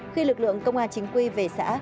khi lực lượng công an chính quy về xã